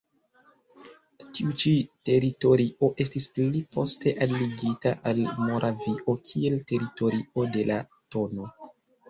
Tiu ĉi teritorio estis pli poste alligita al Moravio kiel teritorio de la tn.